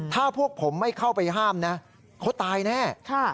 ถ้าพวกผมไม่เข้าไปห้ามนะเขาตายแน่